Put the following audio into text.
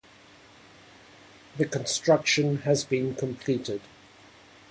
This construction has since been completed.